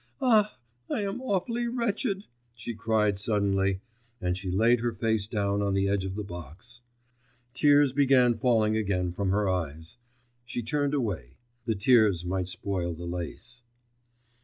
Ah! I am awfully wretched!' she cried suddenly, and she laid her face down on the edge of the box. Tears began falling again from her eyes.... She turned away; the tears might spoil the lace.